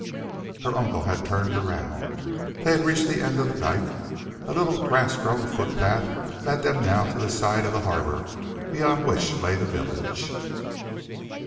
Her uncle had turned round. They had reached the end of the dyke. A little grass grown footpath led them now to the side of the harbor, beyond which lay the village.